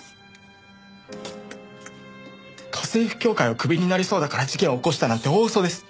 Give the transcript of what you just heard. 家政婦協会をクビになりそうだから事件を起こしたなんて大嘘です。